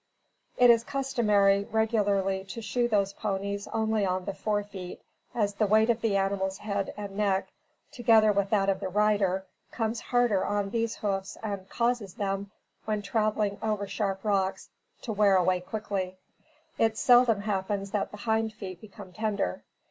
It is customary regularly to shoe these ponies only on the fore feet, as the weight of the animal's head and neck, together with that of the rider, comes harder on these hoofs and causes them, when traveling over sharp rocks, to wear away quickly. It seldom happens that the hind feet become tender.